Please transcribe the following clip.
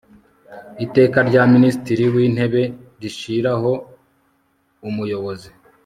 Iteka rya Minisitiri w Intebe rishyiraho Umuyobozi